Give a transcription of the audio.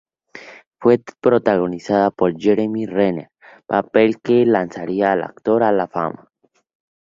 Fue protagonizada por Jeremy Renner; papel que lanzaría al actor a la fama.